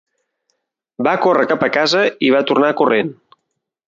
Va córrer cap a casa i va tornar corrent.